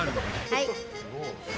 はい。